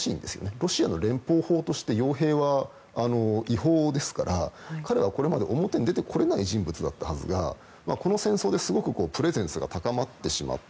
ロシアの連邦法として傭兵は違法ですから彼はこれまで、表に出てこれない人物だったはずがこの戦争ですごくプレゼンスが高まってしまった。